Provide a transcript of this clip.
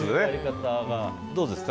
どうですか？